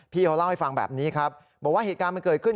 พี่เขาเล่าให้ฟังแบบนี้ครับบอกว่าเหตุการณ์มันเกิดขึ้น